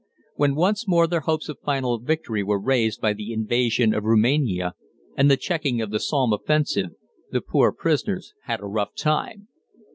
When once more their hopes of final victory were raised by the invasion of Roumania and the checking of the Somme offensive, the poor prisoners had a rough time.